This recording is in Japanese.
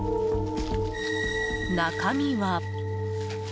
中身は。